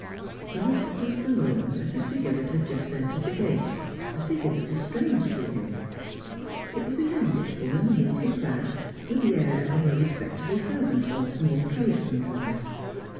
He looked across the lawn at a figure that had just entered the gate, a figure that was strange to him. It was a youngish woman, neatly clad, with the air of a respectable servant, or small tradesman's wife.